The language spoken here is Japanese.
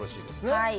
はい。